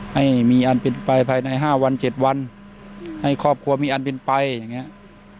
ให้มีอันเป็นไปภายใน๕วัน๗วันให้ครอบครัวมีอันเป็นไปอย่างนี้